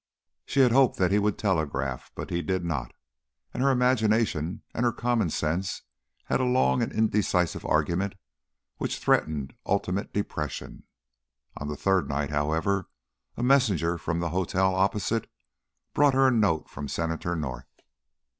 She had hoped he would telegraph, but he did not, and her imagination and her common sense had a long and indecisive argument which threatened ultimate depression. On the third night, however, a messenger from the hotel opposite brought her a note from Senator North.